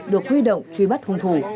được huy động truy bắt hùng thủ